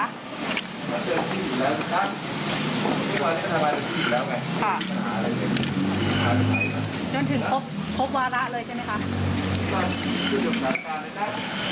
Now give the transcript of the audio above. จนถึงครบวาระเลยใช่ไหมคะ